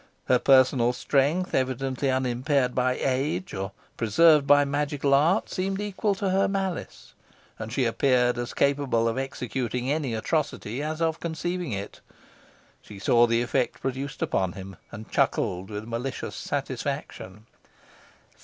Her personal strength, evidently unimpaired by age, or preserved by magical art, seemed equal to her malice; and she appeared as capable of executing any atrocity, as of conceiving it. She saw the effect produced upon him, and chuckled with malicious satisfaction.